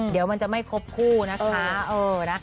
เดี๋ยวมันจะไม่ครบคู่นะคะ